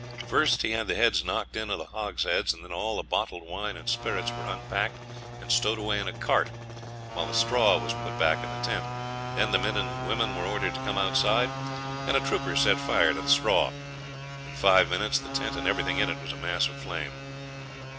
First he had the heads knocked in of the hogsheads; then all the bottled wine and spirits were unpacked and stowed in a cart, while the straw was put back in the tent. Then the men and women were ordered to come outside, and a trooper set fire to the straw. In five minutes the tent and everything in it was a mass of flame.